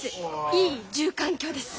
いい住環境です。